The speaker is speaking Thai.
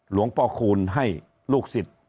หลวงพ่อคูณให้ลูกศิษย์